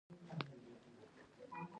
ایا زه رخصتي واخلم؟